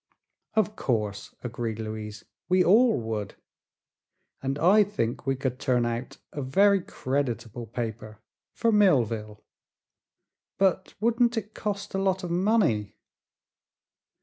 "Of course," agreed Louise; "we all would. And I think we could turn out a very creditable paper for Millville. But wouldn't it cost a lot of money?"